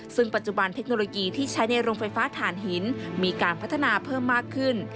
ซึ่งปัจจุบันเทคโนโลยีที่ใช้ในโรงไฟฟ้าฐานหินมีการพัฒนาเพิ่มมากขึ้น